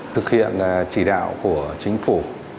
thực hiện chỉ đạo của chính phủ